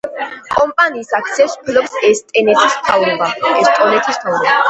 კომპანიის აქციებს ფლობს ესტონეთის მთავრობა.